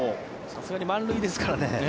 さすがに満塁ですからね。